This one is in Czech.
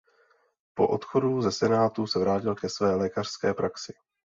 Po odchodu ze senátu se vrátil ke své lékařské praxi.